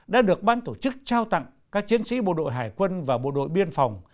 đã được ban tổ chức trao tặng các chiến sĩ bộ đội hải quân và bộ đội biên phòng